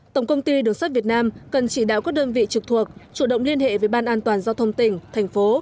tổng công ty đường sắt việt nam cần chỉ đạo các đơn vị trực thuộc chủ động liên hệ với ban an toàn giao thông tỉnh thành phố